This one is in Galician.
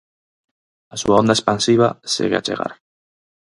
A súa onda expansiva segue a chegar.